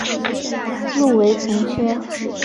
入围从缺。